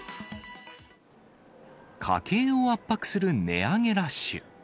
家計を圧迫する値上げラッシュ。